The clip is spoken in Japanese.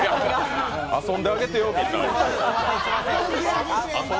遊んであげてよ、みんな。